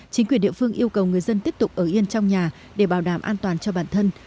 chính quyền địa phương yêu cầu người dân tiếp tục ở yên trong nhà để bảo đảm an toàn cho bản thân